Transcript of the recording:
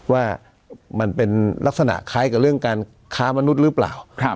ว่ามันเป็นลักษณะคล้ายกับเรื่องการค้ามนุษย์หรือเปล่า